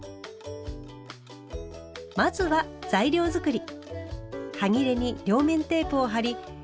まずは材料作り。